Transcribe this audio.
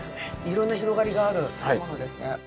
色んな広がりがある食べ物ですね。